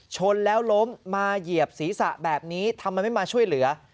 ชนแล้วล้มมาเหยียบศีรษะแบบนี้ทำไมไม่มาช่วยเหลือ